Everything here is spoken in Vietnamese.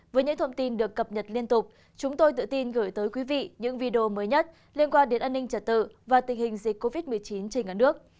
với những thông tin được cập nhật liên tục chúng tôi tự tin gửi tới quý vị những video mới nhất liên quan đến an ninh trật tự và tình hình dịch covid một mươi chín trên cả nước